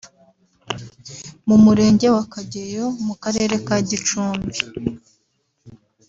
mu Murenge wa Kageyo mu Karere ka Gicumbi